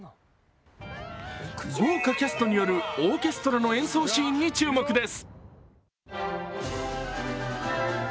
豪華キャストによるオーケストラの演奏シーンに注目です。